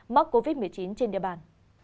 mắc covid một mươi chín trên địa bàn